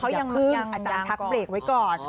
เขายังขึ้นอาจารย์ทักเบรกไว้ก่อน